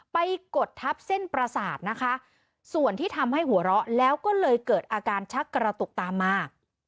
กดทับเส้นประสาทนะคะส่วนที่ทำให้หัวเราะแล้วก็เลยเกิดอาการชักกระตุกตามมา